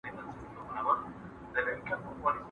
¬ هم خر له کوره، هم خربه له کوره.